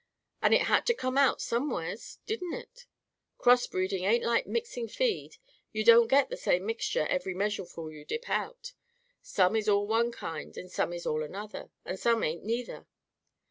And it had to come out, somewheres, didn't it? Cross breeding ain't like mixing feed. You don't get the same mixture, every measureful you dip out. Some is all one kind and some is all another, and some ain't neither.